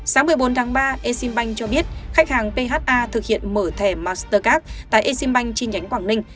sáng một mươi bốn tháng ba eximbank cho biết khách hàng pha thực hiện mở thẻ mastercard tại eximbank trên nhánh quảng ninh